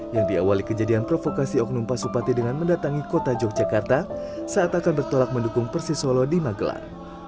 yang diawali kejadian provokasi oknum pasupati dengan mendatangi kota yogyakarta saat akan bertolak mendukung persisolo di magelang